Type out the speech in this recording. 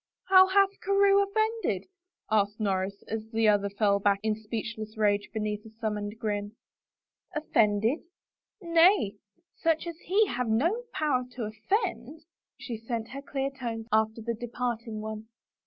" How hath Carewe offended ?" asked Norris, as the other fell back in a speechless rage beneath a summoned grin. "Offended? Nay, such as he have no power to offend!" She sent her clear tones after the departing one.